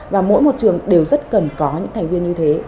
và mỗi một trường đều rất cần có những thành viên như thế